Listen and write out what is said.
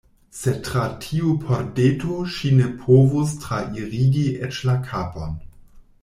Sed tra tiu pordeto ŝi ne povus trairigi eĉ la kapon!